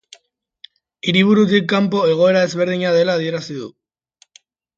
Hiriburutik kanpo egoera ezberdina dela adierazi du.